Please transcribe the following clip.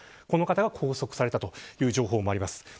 この方が拘束されたという情報もあります。